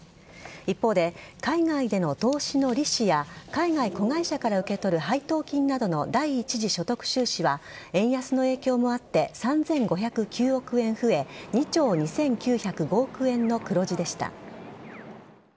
一方で、海外での投資の利子や海外子会社から受け取る配当金などの第１次所得収支は円安の影響もあって３５０９億円増え２兆２９０５億円の黒字でした。